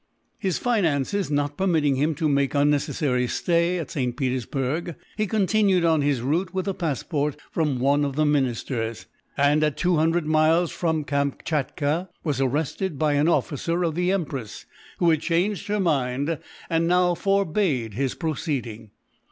His finances not permitting him to make unnecessary stay at St. P., he continued on his route with a passport from one of the ministers, and, at two hundred miles from Kamschatka, was arrested by an officer of the Empress, who had changed her mind, and now forbade his proceeding.